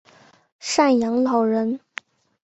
赡养老人